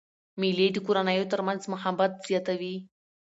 مېلې د کورنیو تر منځ محبت زیاتوي.